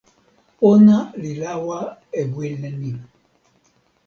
ona li lawa e wile ni.